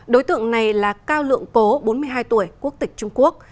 đối tượng này là cao lượng cố bốn mươi hai tuổi quốc tịch trung quốc